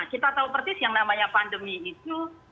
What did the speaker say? kita tahu persis yang namanya pandemi itu